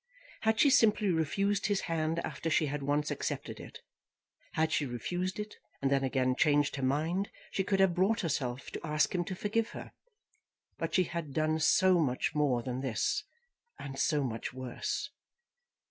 Had she simply refused his hand after she had once accepted it, had she refused it, and then again changed her mind, she could have brought herself to ask him to forgive her. But she had done so much more than this, and so much worse!